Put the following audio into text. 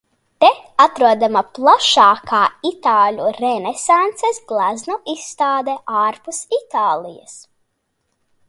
Te atrodama plašākā itāļu renesanses gleznu izstāde ārpus Itālijas.